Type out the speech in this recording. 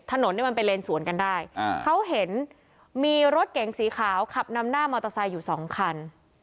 ถนนเนี่ยมันเป็นเลนสวนกันได้เขาเห็นมีรถเก๋งสีขาวขับนำหน้ามอเตอร์ไซค์อยู่สองคัน